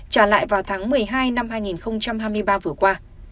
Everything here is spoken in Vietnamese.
trả lại vào tháng một mươi hai năm hai nghìn hai mươi ba vừa qua